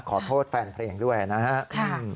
ขอโทษแฟนเพลงด้วยนะครับ